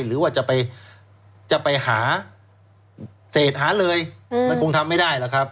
หรือว่าจะไปหาเศษหาเลยมันคงทำไม่ได้ล่ะครับ